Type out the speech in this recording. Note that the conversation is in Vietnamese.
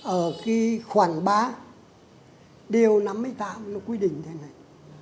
ở khoảng ba điều năm mươi tám nó quy định như thế này